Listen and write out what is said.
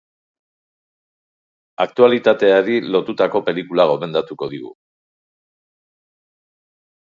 Aktualitateri lotutako pelikula gomendatuko digu.